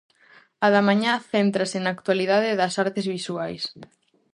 A da mañá céntrase na actualidade das artes visuais.